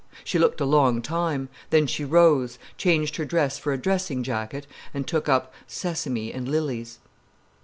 She looked a long time, then she rose, changed her dress for a dressing jacket, and took up _Sesame and Lilies.